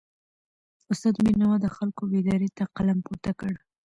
استاد بینوا د خلکو بیداری ته قلم پورته کړ.